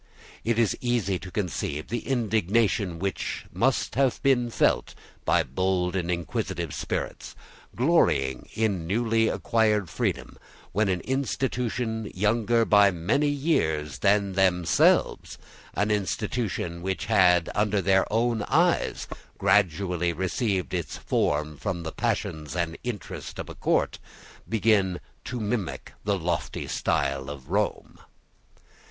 It is easy to conceive the indignation which must have been felt by bold and inquisitive spirits, glorying in newly acquired freedom, when an institution younger by many years than themselves, an institution which had, under their own eyes, gradually received its form from the passions and interest of a court, began to mimic the lofty style of Rome.